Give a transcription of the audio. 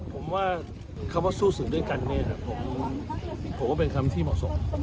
ผมว่าคำว่าสู้สื่อด้วยกันเนี่ยผมว่าเป็นคำที่เหมาะสม